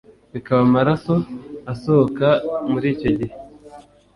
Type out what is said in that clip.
bikaba amaraso asohoka muri icyo gihe